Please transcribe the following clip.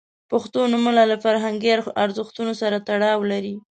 • پښتو نومونه له فرهنګي ارزښتونو سره تړاو لري.